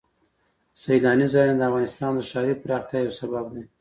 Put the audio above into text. سیلاني ځایونه د افغانستان د ښاري پراختیا یو سبب دی.